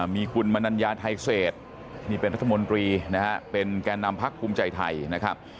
มีคุณมนัญญาไทยเศษนี่เป็นรัฐมนตรีนะฮะเป็นแก่นำพักภูมิใจไทยนะครับ